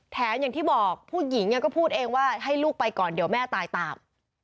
อย่างที่บอกผู้หญิงก็พูดเองว่าให้ลูกไปก่อนเดี๋ยวแม่ตายตาม